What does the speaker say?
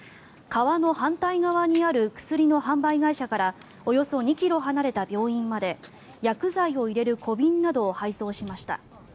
川の反対側にある薬の販売会社からおよそ２ｋｍ離れた病院まで薬剤を入れる小瓶などを配送しました。